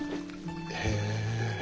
へえ。